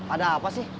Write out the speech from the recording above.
ada apa sih